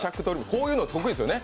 こういうの得意ですよね？